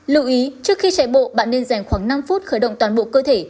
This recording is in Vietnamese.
lưu ý trước khi chạy bộ bạn nên dành khoảng năm phút khởi động toàn bộ cơ thể